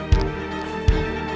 jangan lupa untuk mencoba